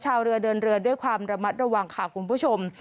ชาวเรือเดินเรือด้วยความระมัดระวังค่ะคุณผู้ชม